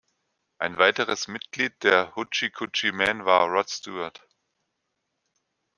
Ein weiteres Mitglied der Hoochie Coochie Men war Rod Stewart.